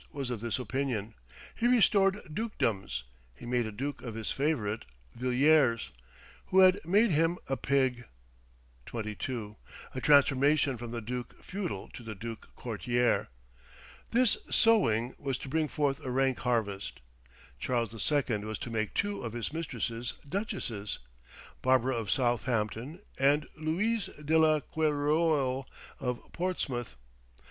was of this opinion. He restored dukedoms. He made a duke of his favourite Villiers, who had made him a pig; a transformation from the duke feudal to the duke courtier. This sowing was to bring forth a rank harvest: Charles II. was to make two of his mistresses duchesses Barbara of Southampton, and Louise de la Querouel of Portsmouth.